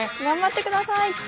頑張ってください！